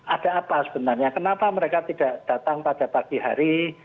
ada apa sebenarnya kenapa mereka tidak datang pada pagi hari